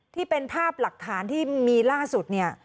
ที่เป็นภาพหลักฐานที่มีล่าสุดเนี่ย